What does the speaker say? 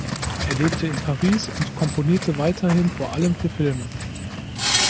Er lebte in Paris und komponierte weiterhin vor allem für Filme.